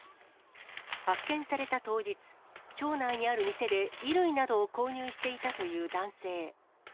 発見された当日、町内にある店で、衣類などを購入していたという男性。